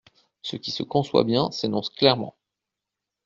Ce qui se conçoit bien s’énonce clairement.